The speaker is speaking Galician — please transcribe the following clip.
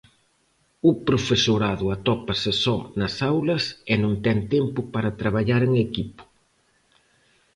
O profesorado atópase só nas aulas e non ten tempo para traballar en equipo.